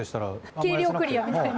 計量クリアみたいな。